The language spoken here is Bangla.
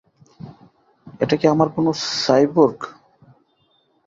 এটা কি আমার কোনো সাইবোর্গ?